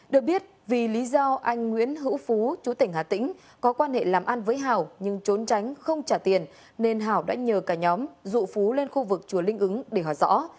được biết vì lý do anh nguyễn hữu phú chú tỉnh hà tĩnh có quan hệ làm ăn với hảo nhưng trốn tránh không trả tiền nên hảo đã nhờ cả nhóm dụ phú lên khu vực chùa linh ứng để hỏi rõ